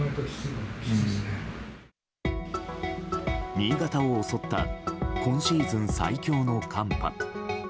新潟を襲った今シーズン最強の寒波。